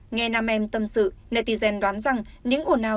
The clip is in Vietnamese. nghe nam em tâm sự netizen đoán rằng những ổn ào